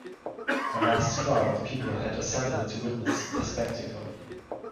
A vast crowd of people had assembled to witness the spectacle.